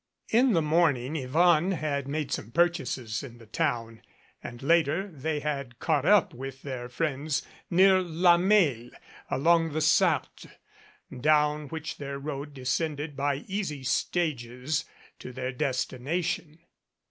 In the morning Yvonne had made some purchases in the town and later they had caught up with their friends near La Mesle, along the Sarthe, down which their road descended by easy stages to their destination.